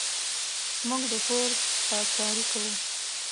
موږ د کور پاککاري کوو.